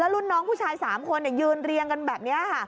รุ่นน้องผู้ชาย๓คนยืนเรียงกันแบบนี้ค่ะ